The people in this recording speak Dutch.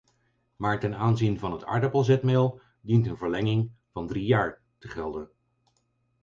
Maar ten aanzien van het aardappelzetmeel dient een verlenging van drie jaar te gelden.